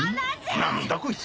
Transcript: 何だこいつ。